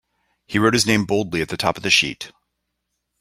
He wrote his name boldly at the top of the sheet.